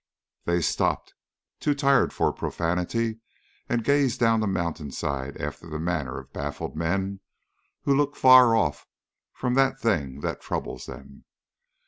They stopped, too tired for profanity, and gazed down the mountainside after the manner of baffled men, who look far off from the thing that troubles them.